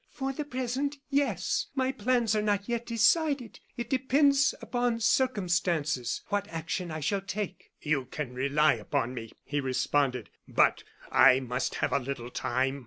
"For the present, yes. My plans are not yet decided. It depends upon circumstances what action I shall take." "You can rely upon me," he responded; "but I must have a little time."